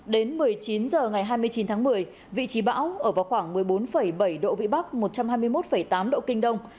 đến một mươi chín h ngày hai mươi chín tháng một mươi vị trí bão ở vào khoảng một mươi bốn bảy độ vĩ bắc một trăm hai mươi một tám độ kinh đông